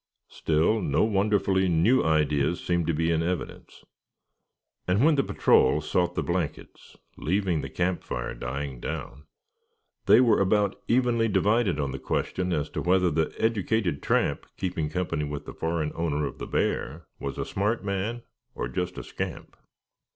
Still, no wonderfully new ideas seemed to be in evidence; and when the patrol sought the blankets, leaving the camp fire dying down, they were about evenly divided on the question as to whether the educated tramp keeping company with the foreign owner of the bear was a smart man, or just a scamp.